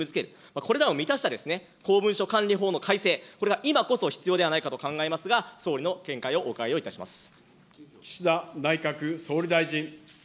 これらを満たした公文書管理法の改正、これが今こそ必要ではないかと考えますが、総理の見解をお伺いをいたします。